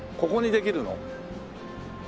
ここにできるの？